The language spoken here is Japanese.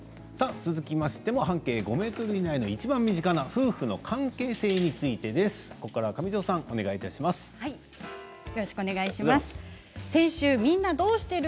続きましても半径５メートル以内のいちばん身近な夫婦の関係性についてです。先週「みんな、どうしてる？